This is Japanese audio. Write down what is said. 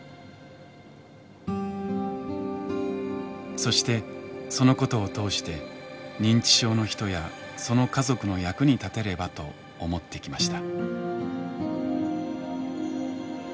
そしてそのことを通して認知症の人やその家族の役に立てればと思ってきました。